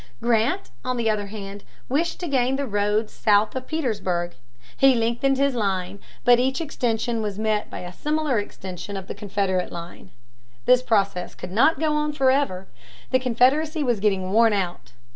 Grant, on the other hand, wished to gain the roads south of Petersburg. He lengthened his line; but each extension was met by a similar extension of the Confederate line. This process could not go on forever. The Confederacy was getting worn out.